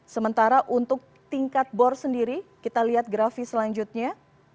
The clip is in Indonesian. sementara untuk tingkat bor sendiri kita lihat grafis selanjutnya